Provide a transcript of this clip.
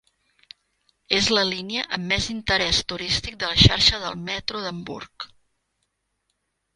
És la línia amb més interés turístic de la xarxa del metro d'Hamburg.